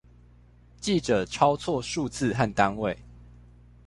記者抄錯數字和單位